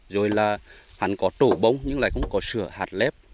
rồi là hẳn có trổ bông nhưng lại không có sữa hạt lép